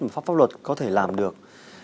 mà pháp luật có thể làm được